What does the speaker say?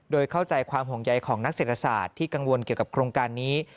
โดยเข้าใจความห่วงใยของนักเศรษฐศาสตร์ที่กังวลเกี่ยวกับโครงการนี้